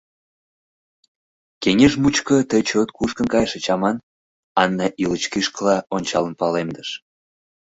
— Кеҥеж мучко тый чот кушкын кайышыч аман, — Анна ӱлыч кӱшкыла ончалын палемдыш.